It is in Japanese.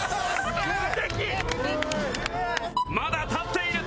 まだ立っている！